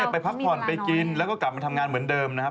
ไปพักผ่อนไปกินแล้วก็กลับมาทำงานเหมือนเดิมนะครับ